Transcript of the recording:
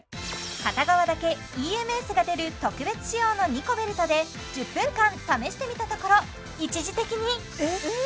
片側だけＥＭＳが出る特別仕様のニコベルトで１０分間試してみたところ一時的に・えっ？え？